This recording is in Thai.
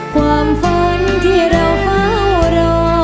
ความฝันที่เราเฝ้ารอ